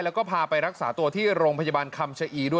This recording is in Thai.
แล้วก็พาไปรักษาตัวที่โรงพยาบาลคำชะอีด้วย